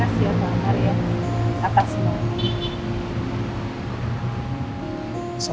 makasih ya pak amar ya